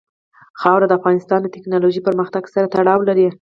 خاوره د افغانستان د تکنالوژۍ پرمختګ سره تړاو لري.